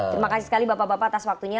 terima kasih sekali bapak bapak atas waktunya